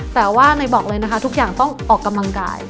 แต่ว่าเนยบอกเลยนะคะทุกอย่างต้องออกกำลังกาย